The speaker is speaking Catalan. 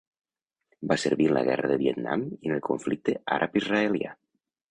Va servir en la Guerra de Vietnam i en el conflicte àrab-israelià.